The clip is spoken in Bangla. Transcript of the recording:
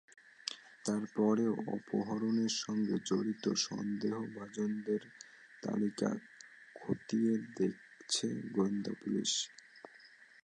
তার পরও অপহরণের সঙ্গে জড়িত সন্দেহভাজনদের তালিকা খতিয়ে দেখছে গোয়েন্দা পুলিশ।